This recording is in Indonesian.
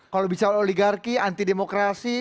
kalau bicara oligarki anti demokrasi